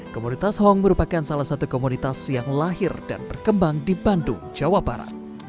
komunitas hong merupakan salah satu komunitas yang lahir dan berkembang di bandung jawa barat